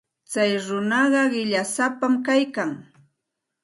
Tsay runaqa qillaysapam kaykan.